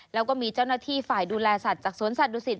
แล้วก็มีเจ้าหน้าที่ฝ่ายดูแลสัตว์จากสวนสัตวศิษ